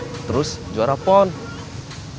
ini kesempatan saya buat jadi juara porda